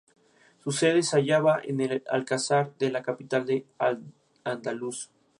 Su sede se hallaba en el alcázar de la capital de Al-Ándalus.